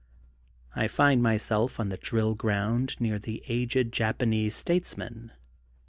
I find my self on the drill ground near the aged Japan ese statesman.